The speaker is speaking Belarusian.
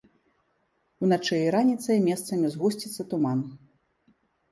Уначы і раніцай месцамі згусціцца туман.